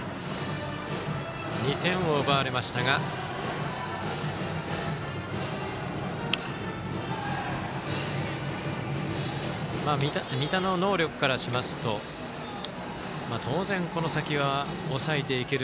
２点を奪われましたが仁田の能力からしますと当然、この先は抑えていける。